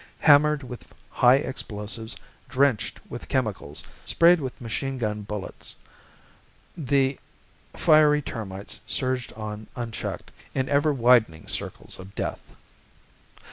Hammered with high explosives, drenched with chemicals, sprayed with machine gun ballets, the fiery termites surged on unchecked, in ever widening circles of death.